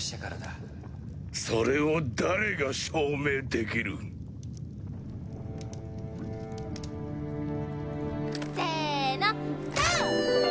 それを誰が証明できる？せのドン！